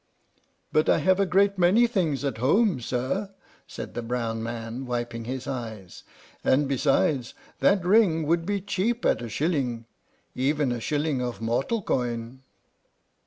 "But I have a great many things at home, sir," said the brown man, wiping his eyes; "and besides, that ring would be cheap at a shilling, even a shilling of mortal coin."